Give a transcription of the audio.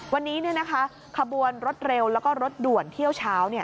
วันนี้ขบวนรถเร็วแล้วก็รถด่วนเที่ยวเช้า